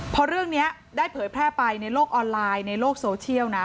พอเรื่องนี้ได้เผยแพร่ไปในโลกออนไลน์ในโลกโซเชียลนะ